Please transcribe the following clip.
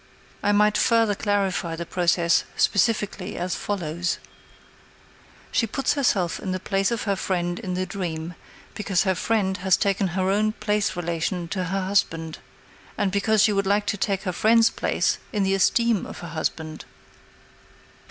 I might further clarify the process specifically as follows: She puts herself in the place of her friend in the dream, because her friend has taken her own place relation to her husband, and because she would like to take her friend's place in the esteem of her husband.